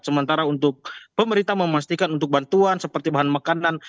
sementara untuk pemerintah memastikan untuk bantuan seperti bahan makanan